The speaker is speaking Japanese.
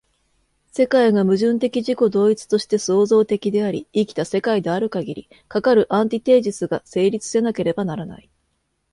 世界が矛盾的自己同一として創造的であり、生きた世界であるかぎり、かかるアンティテージスが成立せなければならない。